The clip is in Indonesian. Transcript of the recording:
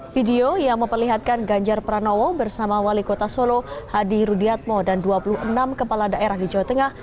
video yang memperlihatkan ganjar pranowo bersama wali kota solo hadi rudiatmo dan dua puluh enam kepala daerah di jawa tengah